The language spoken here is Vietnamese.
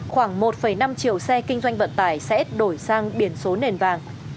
khoảng một năm triệu xe kinh doanh vận tải sẽ đổi sang biển số nền vàng